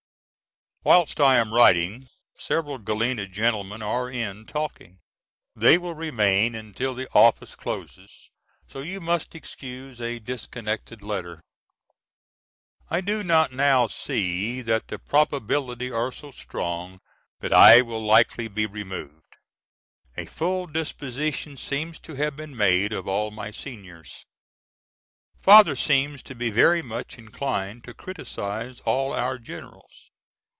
Whilst I am writing several Galena gentlemen are in talking. They will remain until the office closes so you must excuse a disconnected letter. I do not now see that the probabilities are so strong that I will likely be removed. A full disposition seems to have been made of all my seniors. Father seems to be very much inclined to criticise all our generals.